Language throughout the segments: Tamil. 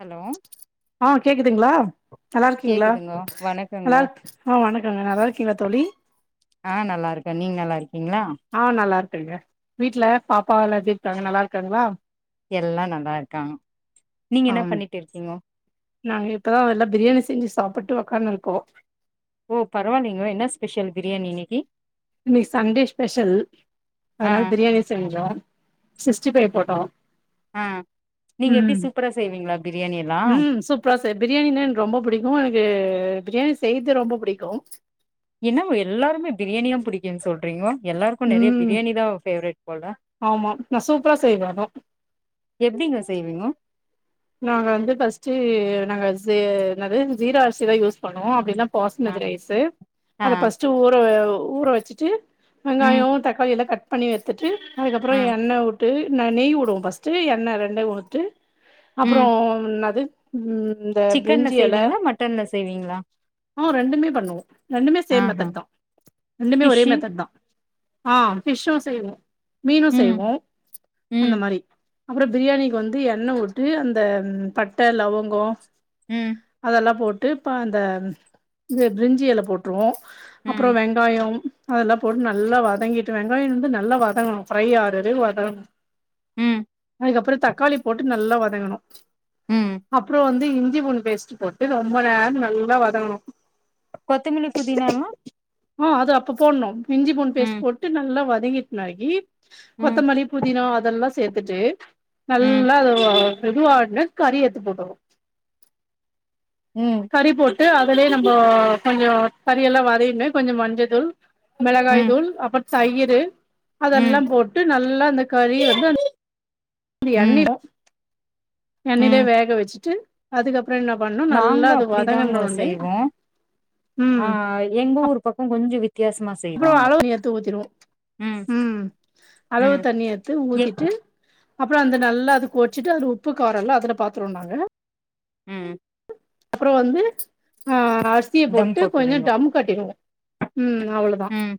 ஹலோ ஆ கேக்குதுங்களா நல்லா இருக்கீங்களா கேக்குதுங்கோ நல்லா வணக்கங்கோ ஆ வணக்கங்க நல்லா இருக்கீங்களா தோழி ஆ நல்லா இருக்க நீங்க நல்லா இருக்கீங்களா ஆ நல்லா இருக்கங்க வீட்ல பாப்பா எல்லா எப்டி இருக்காங்க நல்லா இருக்காங்களா எல்லா நல்லா இருக்காங்க நீங்க என்ன ஆம் பண்ணிட்டு இருக்கீங்கோ நாங்க இப்பதா நல்லா பிரியாணி செஞ்சு சாப்புட்டு உக்காந்துனு இருக்கோ ஓ பரவாயில்லிங்கோ என்ன ஸ்பெஷல் பிரியாணி இன்னைக்கு இன்னைக்கு சண்டே ஸ்பெஷல் ஆ அதனால பிரியாணி செஞ்சோ சிக்ஸ்டி ஃபைவ் போட்டோ ஆ நீங்க ம் எப்படி சூப்பரா செய்வீங்களா பிரியாணி எல்லாம் ப்ளஸ் பிரியாணின்னா எனக்கு ரொம்ப பிடிக்கும் எனக்கு பிரியாணி செய்றது ரொம்ப பிடிக்கும் என்ன எல்லாருமே பிரியாணி தா புடிக்குன்னு சொல்றீங்கோ எல்லாருக்கும் நெறைய ம் பிரியாணி தா பேவரட் போல ஆமா நா சூப்பரா செய்வ அதா எப்டிங்க செய்வீங்கோ நாங்க வந்து ஃபர்ஸ்ட்டு நாங்க என்னது ஜீரா அரிசிதா யூஸ் பண்ணுவோ அப்டின்னா ஆ பாஸ்மதி ரைசு ஆ அத ஃபர்ஸ்ட்டு ஊற ஊற வச்சிட்டு ம் வெங்காயம் தக்காளி எல்லா கட் பண்ணி எடுத்துட்டு ஆ அதுக்கப்புறம் எண்ண ஊ ட்டு நெய் வுடுவோம் ஃபர்ஸ்டு எண்ண ரெண்ட உட்டு ம் அப்புறம் என்ன அது இந்த சிக்கன்ல பிரிஞ்சி எல செய்வீங்களா மட்டன்ல செய்வீங்களா உம் ரெண்டுமே பண்ணுவோ ரெண்டுமே ஆ சேம் ஹா மெத்தட் தா ரெண்டுமே ஒரே ஃபிஷ்ஷு மெத்தட் தா ஆ பிஷ்ஷும் செய்வோம் மீனும் ம் செய்வோம் ம் அந்த மாரி அப்புறம் பிரியாணிக்கு வந்து எண்ண வுட்டு அந்த பட்ட லவங்கம் ம் அதெல்லாம் போட்டு ப அந்த பிரிஞ்சியலை போட்டுருவோம் ம் அப்றோம் வெங்காயம் அதெல்லாம் போட்டு நல்லா வதங்கிட்டு வெங்காயம் வந்து நல்லா வதங்கணும் ஃப்ரை ஆறுரு வதங்கணும் ம் அதுக்கு அப்பறம் தக்காளி போட்டு நல்லா வதங்கணும் ம் அப்பறம் வந்து இஞ்சி பூண்டு பேஸ்ட் போட்டு ரொம்ப நேரம் நல்லா வதங்கணு கொத்தமெல்லி புதினாமும் ஆ அது அப்ப போடணு இஞ்சி பூண்டு ம் பேஸ்ட் போட்டு நல்லா வதங்கிட்டுனாக்கி ம் கொத்தமல்லி புதினா அதெல்லா சேத்துட்டு ம் நல்லா கால் கிலோ கறி எடுத்து போட்டுருவோ ம் கறி போட்டு அதுலே நம்போ கொஞ்ச கறி எல்லாம் வதையினு கொஞ்சம் மஞ்ச தூள் மெளகாய் ம் தூள் அப்புற தயிரு அதெல்லா ம் போட்டு நல்லா அந்த கறி வந்து அ எண்ணெய் ம் எண்ணெய்லே ம் வேக வெச்சுட்டு அதுக்கப் அப்பறம் என்னா பண்ணும் நல்லா நாங்களு அது அப்டிதாங்க வதங்கனோ ஒட்னே செய்வோ ம் ஆ எங்க ஊரு பக்கம் கொஞ்ச வித் அப்றோ அளவு தண்ணி எடுத்து ஊத்திருவோம் ம் அளவு ம் தண்ணி எடுத்து எ ஊத்திட்டு அப்பறம் அந்த நல்லா அது கோச்சிட்டு அது உப்பு காரம் எல்லாம் அதுல பாத்துருவோம் நாங்க ம் அப்புறோ வந்து ஆ அரிசிய தம் போட்டு கொஞ்சோ போட்டுருவீங்கோ டம் கட்டிருவோ ம் அவளோ தா ம்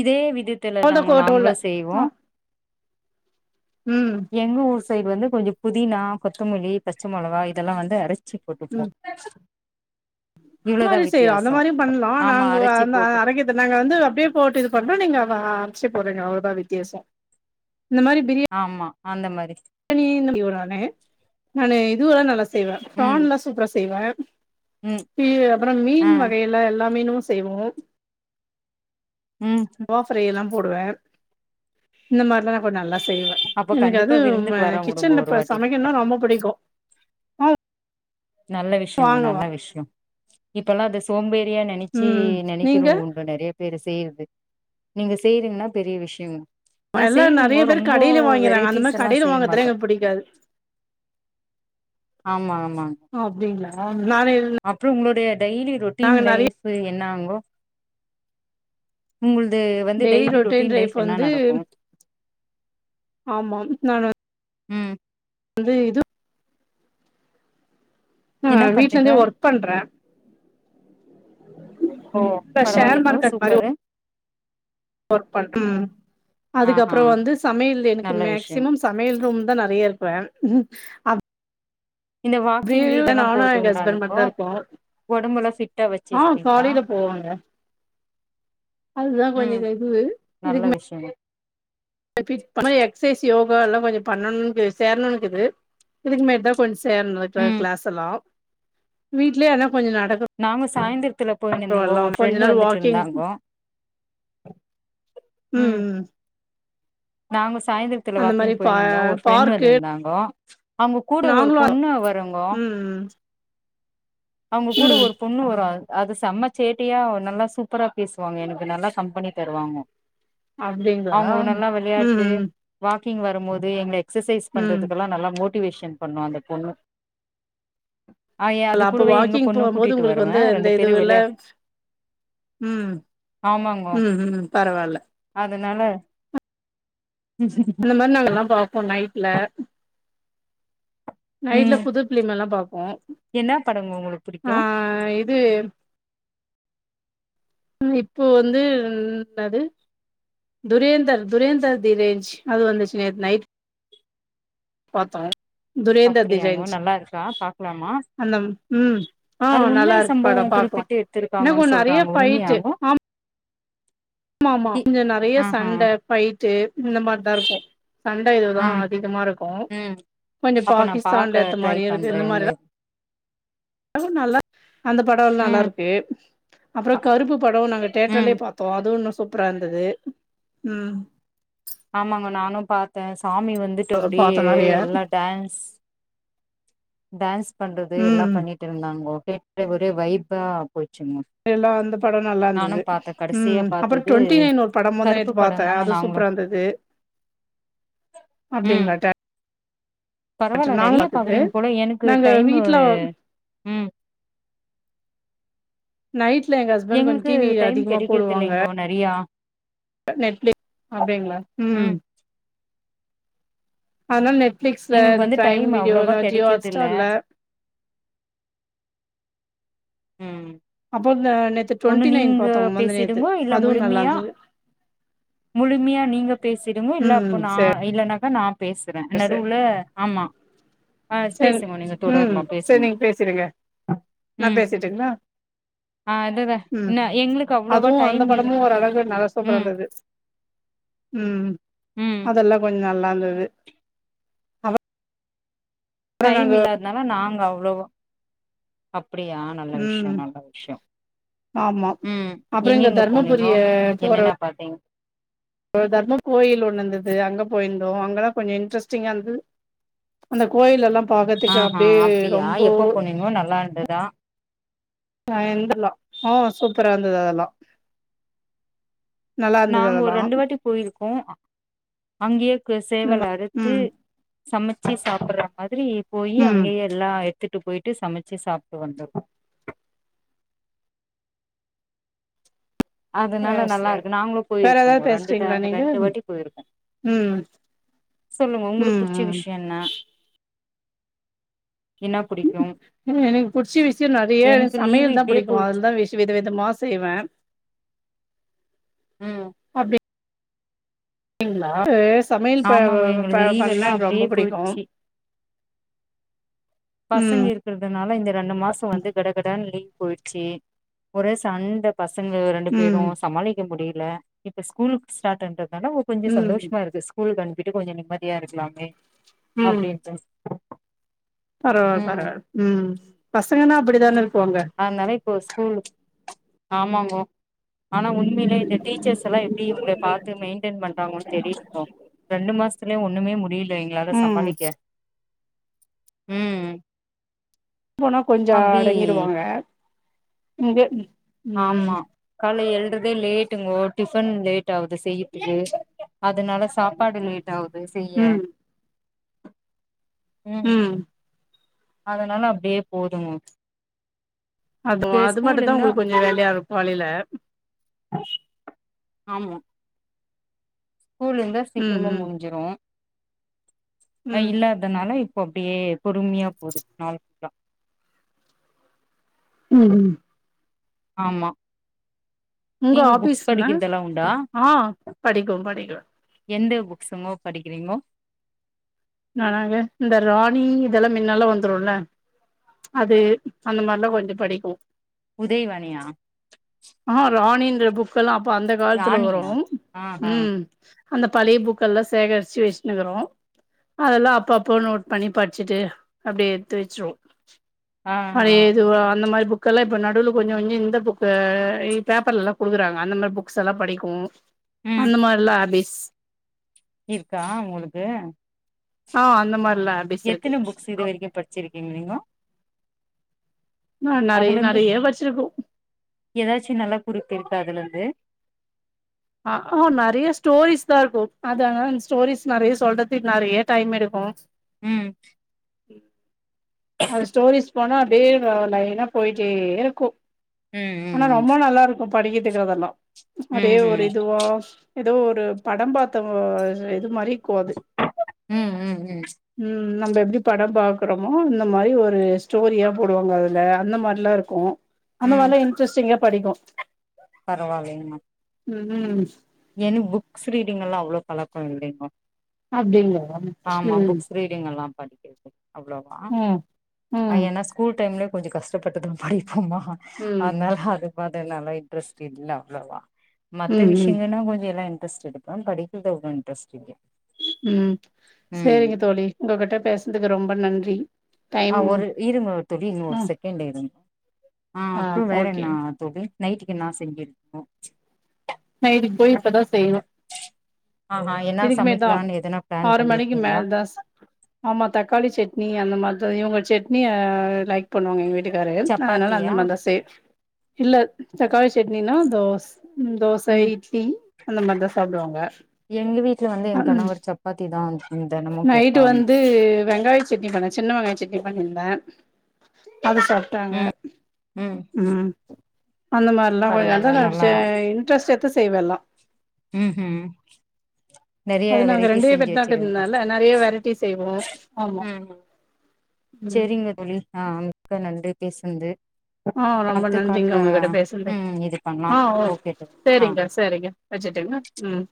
இதே விதத்துல அவ்ளோதா தாங்க கோட்டோல்ல நாங்களு செய்வோ ஆ ம் எங்க ஊர் சைடு வந்து கொஞ்ச புதினா கொத்தமல்லி பச்ச மொளகா இதெல்லா வந்து அரைச் சி போட்டு ம் வச்சுக்குவோ அந்த மாரி செய்யலா அந்த மாரியு பண்ணலாம் ஆமா நாங்க அரச்சி அந்த போட்டு அரைக்க இது நாங்க வந்து அப்டியே போட்டு இது பண்றோ நீங்க வ அரைச்சு போடுறீங்க அவ்ளோ தா வித்தியாசோ இந்த மாரி பிரி ஆமா அந்த மாரி நானு இது எல்லாமே இது நல்லா ச செய்வே ம் பிரான் எல்லாம் சூப்பரா செய்வே ம் [unintelligible] அப்புறோ ஆ மீன் வகை எல்லா எல்லா மீனும் செய்வோ ம் ஆஃப் ப்ரைய தா போடுவே இந்த மாரிலாம் நான் கொஞ்ச நல்லா செய்வேன் அப்ப எனக்கு கண்டிப்பா அதும் விருந்துக்கு அ வரே வுடுங்க கிச்சன்ல ஒரு இப்ப வாட்டி சமைக்கணும்னா ரொம்ப புடிக்கும் ஆ நல்ல விஷ்யங்க நல்ல விஷ்யம் இப்பல்லாம் அது சோம்பேறியா நெனச்சி ம் நீங்க நெனைக்றவங்க உண்டு நெறயா பேரு செய்றது நீங்க செய்றீங்ன்னா பெரிய விஷ்யம் நான் எல்லா செய்யணுங்க நெறைய பேர் ரொம்போ வெரைட்டிஸ் ல்லாம் செய்ய மாட்டோம் பிடிக்காது ஆமா ஆமா அப்டிங்களா நானு அப்புறம் உங்களுடைய டெய்லி நாங்க ருட்டீன் நெறைய லைஃப் ஃபு என்னாங்கோ உங்கள்து வந்து டெய்லி ரொட்டின் ரொட்டீன் லைஃப் ரைப் என்ன வந்து நடக்கு ஆமா நானு ம் வந்து இது ஆ என்ன வீட்ல பண்றீங்க இருந்தே ஒர்க் பண்றேன் ஓ ஷேர் பரவாலிங்கோ மார்க்கெட் மாரி சுப்பரூ ஒர்க் பண்ற ம் ஆஹா அதுக்கப்புறம் வந்து சமையல் எனக்கு நல்ல விஷயம் மேசிமம் சமையல் ரூம் தான் நறைய இருப்பேன் இந்த வாக்கிங்கு இதெல்லாம் நானு எங்க போறதுண்டா ஹஸ்பண்ட் நீங்கோ மட்டுந்தா இருப்போ உடம்புலாம் ஃபிட்டா ஆ வச்சிருக்கீங்களா காலையில போவாங்க அதுதா ம் கொஞ்சக்கு இது இதுக் மே [unintelligible] பிட் பண்ணா எக்சைஸ் யோகா எல்லாம் கொஞ்சம் பண்ணுன் சேரணுன்க்குது இதுக்கு மேட் தான் கொஞ்சம் சேர்னு க்க ம் க்ளாஸ் எல்லாம் வீட்லயே என்னா கொஞ்சம் நடக்க நாங்க சாயந்திரத்துல போய்ன்னு இருந்தங்கோ எல்லா ஒரு கொஞ்ச ஃப்ரெண்டு நாள் வந்துட்டு வாக்கிங் இருந்தாங்கோ ம் நாங்க சாயந்திரத்துல அந்த மாரி வாக்கிங் பா போய்ன்னு இருந்தோம் ஒரு ஃப்ரெண்ட் பார்க்கு வந்திருந்தாங்கோ அவ்ங்க கூட ஒரு நாங்களு பொண்ணு வருங்கோ ம் அவ்ங்க கூட ம் ஒரு பொண்ணு வரும் அ அது செம்ம சேட்டியா நல்லா சூப்பரா பேசுவாங்க எனக்கு நல்லா கம்பெனி தருவாங்க அப்டிங்களா விளையாட்டு ம் வாக்கிங் வரும் போது எங்கள எக்சசைஸ் ம் பண்றதுகெல்லாம் நல்லா மோ ட்டிவேஷன் பண்ணு அந்த பொண்ணு ஆ ஏ அது ல்ல அப்ப கூடவே எங்க வாக்கிங் பொண்ணு போம்போது கூட்டிட்டு உங்களுக்கு வருவே வந்து இந்த ரெண்டு இது பேரு இல விளையா ம் ஆமாங்கோ ம் ம் பரவாயில்ல அதனால ம் உம் அத நாங்கல்லாம் பாப்போம் நைட்ல நைட்ல ம் புதுப்பிலிம எல்லாம் பாப்போம் என்ன படங்க உங்களுக்கு பிடிக்கும் ஆன் இது ம் இப்போ வந்து என்னாது துரியந்தர் துரியேந்தர் தீரேச் அது வந்துசு சின நைட் பாத்தோ அப்டியாங்க நல்லா இருக்கா பாக்கலாமா அந்த ம் ஆ அது நல்லா உண்மை இருக்கு சம்பவோ பாடம் பாக்ககலா குறிப்பிட்டு என்ன எடுத்திருக்காங்கன்னு கொஞ்சோ நெறைய சொல்றாங்க பேயிடுச்சு உண்மையாகு ஆமா ஆமா ஆமா மா இ கொஞ்ச நெறைய ஆஹா சண்டை பயிட்டு இந்த மாரிதா இருக்கு சண்டை இதுதா ஆ அதிகமா இருக்கு ம் கொஞ்சோ அப்ப நா பாக்க பாகிஸ்தான்ல ஏத்த ட்ரை மாரி இருக்கு இந்த பண்றேங்க மாரி தா [unintelligible] நல்லா அந்த படம்ல்லா நல்லா ம் இருக்கு அப்பறோ அ கருப்பு படம் நாங்க தேட்டர்லயே பாத்தோ அதுவு தா சூப்பரா இருந்தது ம் ஆமாங்க நானும. பாத்தே சாமி வந்துட்டு பாத்தோ அப்டியே நெறைய எல்லா டான்ஸ் டான்ஸ் பண்றது எல்லா ம் பண்ணிட்டு இருந்தாங்கோ கேட்டு ஒரே வைபா போயிச்சுங்கோ எல்லா அந்த பட நல்லா இருந்தது ம் கடைசியா அப்பற பாத்தது டோண்ட்டி நைன் ஒரு படம் வந்து கருப்பு நேத்து பாத்தே படந்தாங்க அது நாங்களு சூப்பரா இருந்தது அப்டிங்களா [inaudible] பரவாயில்ல தேட்டர் நாங்களு நெறைய பாத்தது பாக்குறீங்க போல எனக்கு நாங்க டைமு வீட்ல ம் நைட்ல எங்க ஹஸ்பண்ட் கொஞ்சோ எங்களுக்கு டிவி டைம் அதிகமா கெடைக்கிறது போடுவாங்க இல்லைங்கோ நெறையா நெட்லே அப்டிங்களா ம் அதனால நெட் ஃபிளிக்ஸ்ல எங்களுக்கு இந்த வந்து பிரைம் டைம் அவ்ளவா வீடியோல ஜியோ ஹாட் கெடைக்கிறது இல்ல ஸ்டார்ல ம் அப்போ இந்த நேத் ஒண்ணு நீங்க பேசிடுங்கோ இல்ல நல்லா முழுமையா இருந்தது முழுமையா நீங்க பேசிடுங்கோ இல்ல ம் அப்போ சேரி நான் இல்லனாக்கா நான் பேசுறேன் சேரி நடுவுல ஆமா ஆ சேரி பேசுங்கோ நீங்க ம் தொடர்லா சேரி பேசுங்கோ நீங்க பேசிடுங்க நா ம் பேசிட்டுங்களா அ ம் அதுவு அந்த இல்ல படமு ஒர்ரளவு நல்ல சூப்பரா ம் இருந்துது ம் ம் அதெல்லா கொஞ்சோ நல்லா இருந்தது அப்றோ டைம் நாங்க இல்லாதனால நாங்க அவ்ளவ அப்டியா நல்ல விஷ்யோ ம் நல்ல விஷ்யோ ஆமா ம் அப்றோ இங்க எங்கெங்க போனீங்கோ தர்மபுரிய என்னன்ன பாத்தீங்க ஒரு தர்ம கோயில் ஒன்னு இருந்தது அங்க போயிருந்தோ அங்கெல்லா கொஞ்சோ இன்ட்ரெஸ்டிங்கா இருந்தது அந்த கோயிலெல்லா பாக்கற்துக்கு அப்டியே ரொம்போ இது நல்லா இருந்துதா ஆ எந்திரலா ம் சூப்பரா இருந்தது அதெல்லா நல்லா இருந்தது நாங்க ஒரு அதெல்லா ரெண்டு வாட்டி பொயிருக்கோ அங்கேயே நம்ம சேவல அறுத்து ம் சமைச்சு சாப்புட்ற மாதிரி போய் ம் அங்கேயே எல்லா எடுத்துட்டு பொய்ட்டு சமைச்சு சாப்ட்டு வன்டோ அதனால சேர் நல்லா சேர் இருக்கு நாங்களு வேற ஏதாவது போயிருக்கோ ரெண்டு பேசுறீங்களா டைமு நீங்க ரெண்டு வாட்டி போயிருக்கோ ம் சொல்லுங்க உங்களுக்கு ம் புடிச்ச ம் விஷய என்ன என்னா புடிக்கு எனக்கு பிடிச்ச விஷய நெறைய எனக்கு லீவு சமையல் தா இப்டியே பிடிக்கு போயிடுச்சு அதுலதா விஷ வித விதமா செய்வே ம் அப்டி ங்களா ஆ சமையல் ஆமாங்க எங்களுக்கு லீவ் பண்ண எல்லா எனக் அப்டியே ரொம்ப பிடிக்கு போயிடுச்சு பசங்க ம் இருக்றதுனால இந்த ரெண்டு மாசோ வந்து கடகடன் லீவ் பொய்ட்ச்சு ஒரு சண்ட பசங்க ரெண்டு ம் பேரு சமாளிக்க முடியல இப்ப ஸ்கூல் ஸ்டார்ட்ண்றதுனால கொஞ்சோ ம் சந்தோஷமா இருக்கு ஸ்கூலுக்கு அணுப்பிட்டு கொஞ்சோ நிம்மதியா இருக்கலாமே ம் அப்டின்ட்டு பரவால்ல ம் பரவால்ல பசங்கன்னா அப்டிதானே இருக்குவாங்க அதனால இப்போ ஸ்கூல் ஆமாங்கோ ஆனா உண்மையிலே இந்த டீச்சர்ஸ் எல்லா எப்டி அவுங்கள பாத்து மெயின்டெயின் பண்றாங்கோன் தெரிலிங்கோ ரெண்டு மாசோ த்துலயே ஒன்னுமே முடியல எங்களால ம் சமாளிக்க ம் போனா கொஞ்சோ அப்டி அடங்கிடுவாங்க இங்க ம் ஆமா கால்ல எழ்றதே லேட்டுங்கோ டிஃபன் லேட் ஆவ்து செய்யதுக்கு அதனால சாப்பாடு லேட் ஆகுது செய்ய ம் ம் அதனால அப்படியே போகுதுங்க அதுவு அது மட்டுதா இருந்தா உங்ளுக்கு கொஞ்சோ வேலையா இருக்கு மழைய்ல ஆமா ஸ்கூல் இருந்தா ம் சீக்கிரமா ம் முடிஞ்சிரு அதே ம் இல்லா அதனால இப்ப அப்டியே பொறுமையா போது நாள் அஞ்சு ம் ஆமா உங்க நீங்க புக்ஸ் ஆபீஸ்னா படிக்கிறதெல்லா உண்டா ஆ படிக்கும் படிக்கும் எந்த புக்ஸுங்கோ படிக்கிறீங்கோ நானாங்க இந்த ராணி இதெல்லா முன்னெல்லா வந்துடும்ல அது அந்த மாரில்லா கொஞ்சோ படிப்போ உதய்வாணியா ஆ ராணின்ற புக்ஸ்செல்லாம் அப்ப அந்த காலத்துல ராணியா வரும் ஆஹா ம் அந்த பழைய புக்கெல்லா சேகரிச்சு வச்சுனுக்குறோ அதெல்லா அப்பப்போ நோட் பண்ணி படிச்சுட்டு அப்படியே எடுத்து வச்சிருவோ ஆஹா பழையது அந்த மாரி புக் கெல்லா இப்ப நடுவுல்ல கொஞ்சோ இந்த புக் பேப்பர்ல எல்லாம் குடுக்குறாங்க அந்த மாரி புக்ஸ் எல்லா படிக்கு ம் அந்த மாரிலா ஆபிஸ் இருக்கா உங்களுக்கு ஆ அந்த மாரிலா இருக் எத்தனை புக்ஸ் இது வரைக்கு படிச்சிருக்கீங்க நீங்க நா நெறைய அதுல இருந்து நெறைய வச்சிருக்கோ ஏதாச்சு நல்லா குடுக்க இருக்க அதுல இருந்து ஆ நெறைய ஸ்டோரிஸ் தா இருக்கு அதனா ஸ்டோரிஸ் நெறைய சொல்றதுக்கு நெறைய டைம் எடுக்கு ம் அது ஸ்டோரிஸ் போனா அப்டியே லைனா போயிட்டே இருக்கு ம் ஆனா ம் ரொம்ப நல்லா இருக்கு படிக்கிறதுக்கு அதெல்லா அதே ம் ஒரு ம் இதுவா ஏதோ ஒரு படம் பாத்த இது மாரி இருக்கு அது ம் ம் ம் ம் நம்ம எப்டி படம் பாக்குறோமோ அந்த மாரி ஒரு ஸ்டோரியா போடுவாங்க அதுல அந்த மாரிலா இருக்கு அந்த மாரிலா இன்ட்ரெஸ்டிங்கா படிக்கு பரவால்லைங்ணா ம் ம் எனக் புக்ஸ் ரீடிங்லா அவ்ளோ பழக்கோ இல்லைங்கோ அப்டிங்களா ஆமா ம் புக்ஸ் ரீடிங் எல்லா படிக்றது இல்ல அவ்ளோவா ம் ஐ ம் ஏனா ஸ்கூல் டைம்லே கொஞ்சோ கஷ்டப்பட்டுதா படிப்போமா ம் அதுனால அது வதலால இன்ட்ரெஸ் இல்ல அவ்ளவா மத்த ம் விஷ் ம் ஆனா கொஞ்சோ எல்லா இன்ட்ரெஸ்ட் இருக்கும் படிக்கிறது அவ்ளோ இன்ட்ரெஸ்ட் இல்லே ம் செரிங்க தோழி உங்ககிட்ட பேசுனதுக்கு ரொம்ப நன்றி டைம் ஆ ஒரு இருங்க ஒ தோழி இன்னு ஒரு ம் செகண்ட் இருங்க ஆ அப்றோ வேற என்னா தோழி நைட்டுக்கு என்னா செஞ்சிருக்கோ நைட்டுக்கு போய் இப்பதா செய்யணு ஆஹா என்னா இதுக்குமே தா சமைக்கலான்னு எதனா பிளான் ஆறு மணிக்கு பண்ணிருக்கீங்களா மேல்தா ஸ் ஆமா தக்காளி சட்னி அந்த மாரிதா இவுங்க செட்னி அ லைக் பண்ணுவாங்க எங்க வீட்டுக்காரு அதனால சப்பாத்தியா அந்த மாரி தா செய் இல்ல சக்காளி சட்னினா தோஸ் தோ ச ம் இட்லி அந்த மாரிதா சாப்டுவாங்க எங்க வீட்ல வந்து என் அன் கணவர் சப்பாத்தி தா தெனமு நைட்டு கேப்பாங்க வந்து வெங்காயோ சட்னி பன்ன சின்ன வெங்காயோ சட்னி பண்ணி இருந்தே அது சா டாங்க ம் ம் அந்த மாரிலா ஒ எந்த பரவால்ல நேரோ நல்லா சே இண்ட்ரஸ்ட் எடு து செய்வே எல்லா ம் ஹூ நெறைய அது நாங்க வெரைட்டிஸ் ரெண்டே செஞ்சு பேர் தா வச்சிருவீங்ளா இருக்கறதுனால நெறைய வெரைட்டி செய்வோ ஆமா ம் ம் செரிங்க தோழி ஆம் மிக்க நன்றி பேசுனது ஆ ரொம்ப அடுத்த நன்றிங்க கால்ல உங்ககிட்ட பேசுனது ம் இது பண்லா ஆ ஓ ஓகே தோழி ஆ செரிங்க சரிங்க வஜ்ஜுட்டுங்ளா ம்